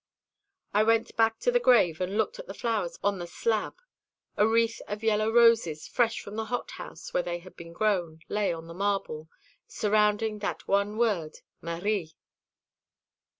"I went back to the grave and looked at the flowers on the slab. A wreath of yellow roses, fresh from the hothouse where they had been grown, lay on the marble, surrounding that one word 'Marie.'"